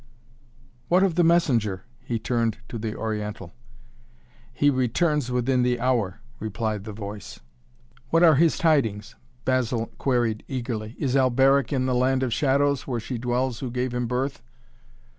"What of the messenger?" he turned to the Oriental. "He returns within the hour," replied the voice. "What are his tidings?" Basil queried eagerly. "Is Alberic in the land of shadows, where she dwells who gave him birth?"